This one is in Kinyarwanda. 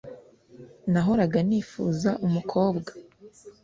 Nahoraga nifuza umukobwa